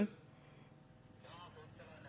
ก็ไม่ได้ขัดคืน